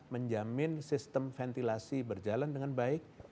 menjamin sistem ventilasi berjalan dengan baik